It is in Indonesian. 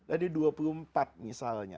tadi dua puluh empat misalnya